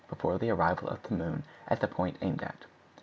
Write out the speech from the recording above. before the arrival of the moon at the point aimed at.